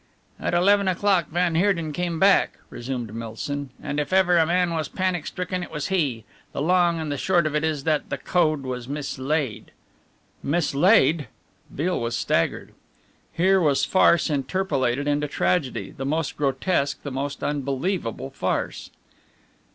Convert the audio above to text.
"At eleven o'clock van Heerden came back," resumed Milsom, "and if ever a man was panic stricken it was he the long and the short of it is that the code was mislaid." "Mislaid!" Beale was staggered. Here was farce interpolated into tragedy the most grotesque, the most unbelievable farce.